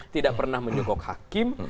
tidak pernah menyokok hakim